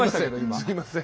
すいません。